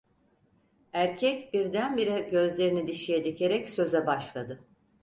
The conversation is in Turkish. Erkek birdenbire gözlerini dişiye dikerek söze başladı: